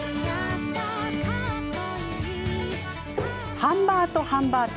ハンバートハンバート。